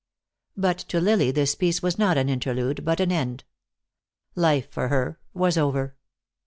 But to Lily this peace was not an interlude, but an end. Life for her was over.